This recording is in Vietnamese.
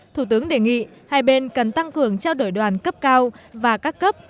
thủ tướng đề nghị hai bên cần tăng cường trao đổi đoàn cấp cao và các cấp